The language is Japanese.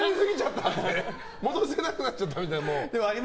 戻せなくなっちゃったみたいな。